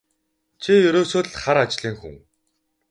Чи ерөөсөө л хар ажлын хүн.